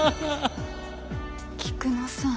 菊野さん。